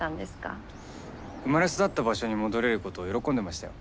生まれ育った場所に戻れることを喜んでましたよ。